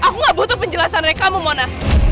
aku gak butuh penjelasan dari kamu mona